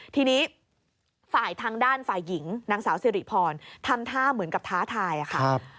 ทีนี้ฝ่ายทางด้านฝ่ายหญิงนางสาวสิริพรทำท่าเหมือนกับท้าทายค่ะ